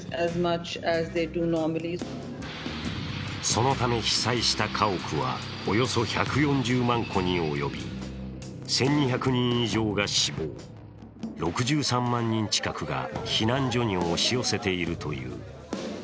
そのため被災した家屋はおよそ１４０万戸に及び１２００人以上が死亡、６３万人近くが避難所に押し寄せているという。